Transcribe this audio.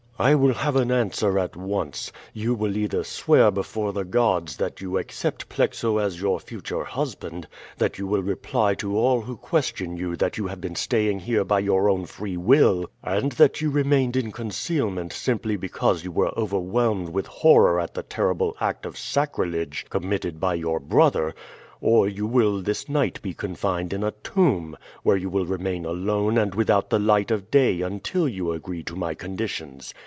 I will have an answer at once. You will either swear before the gods that you accept Plexo as your future husband, that you will reply to all who question you that you have been staying here by your own free will, and that you remained in concealment simply because you were overwhelmed with horror at the terrible act of sacrilege committed by your brother, or you will this night be confined in a tomb, where you will remain alone and without the light of day until you agree to my conditions.